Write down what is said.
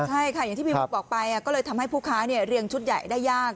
ใช่ค่ะอย่างที่พี่บุ๊คบอกไปก็เลยทำให้ผู้ค้าเรียงชุดใหญ่ได้ยาก